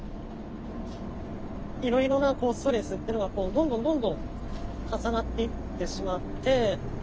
いろいろなストレスっていうのがどんどんどんどん重なっていってしまって。